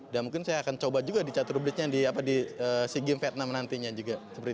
dan mungkin saya akan coba juga di catur bleachnya di dc games vietnam nantinya juga